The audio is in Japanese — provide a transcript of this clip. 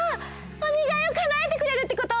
おねがいをかなえてくれるってこと？